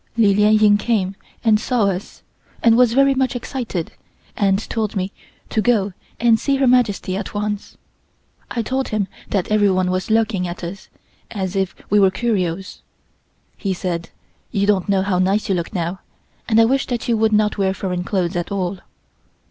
Li Lien Ying came and saw us, and was very much excited and told me to go and see Her Majesty at once. I told him that everyone was looking at us, as if we were curios. He said: "You don't know how nice you look now, and I wish that you would not wear foreign clothes at all."